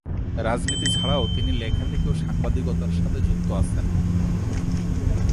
রাজনীতি ছাড়াও তিনি লেখালেখি ও সাংবাদিকতার সাথে যুক্ত আছেন।